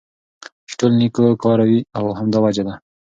چې ټول نيكو كاره وي او همدا وجه ده